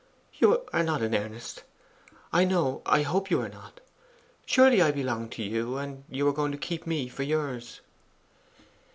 'You are not in earnest, I know I hope you are not? Surely I belong to you, and you are going to keep me for yours?